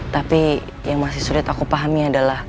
tapi yang masih sulit aku pahami adalah